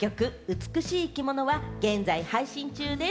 『美しい生き物』は現在配信中です。